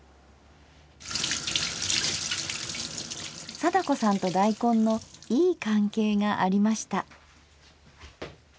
貞子さんと大根のいい関係がありました。